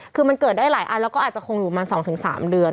คือมันเกิดได้หลายอันแล้วก็อาจจะคงอยู่ประมาณ๒๓เดือน